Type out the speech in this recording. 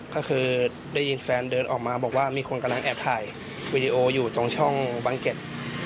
ก็คือได้ยินแฟนเดินออกมาบอกว่ามีคนกำลังแอบถ่ายวีดีโออยู่ตรงช่องบางเก็ต